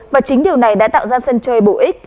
và chính điều này đã tạo ra sân chơi bổ ích